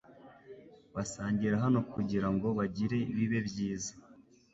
Basangira hano kugirango bagire bibe byiza